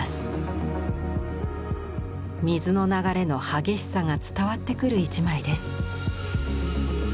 水の流れの激しさが伝わってくる一枚です。